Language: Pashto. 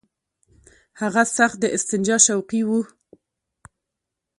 هغه سخت د استنجا شوقي وو.